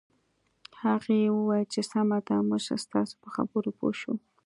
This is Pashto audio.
هغې وویل چې سمه ده موږ ستاسو په خبره پوه شوو